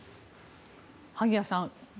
萩谷さん